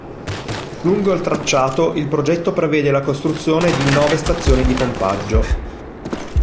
Lungo il tracciato, il progetto prevede la costruzione di nove stazioni di pompaggio..